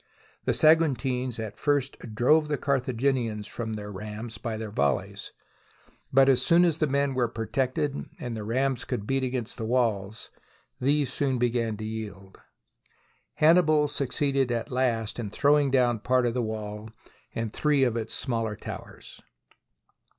The Saguntines at first drove the Carthaginians from the rams by their volleys, but as soon as the men were protected and the rams could beat against the walls, these soon began to yield. Hannibal succeeded at last in throwing down part of the wall and three of its smaller towers.